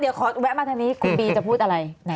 เดี๋ยวขอแวะมาทางนี้คุณบีจะพูดอะไร